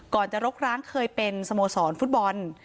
ก่อนจะรกร้างเคยเป็นสโมสรฟุตบอล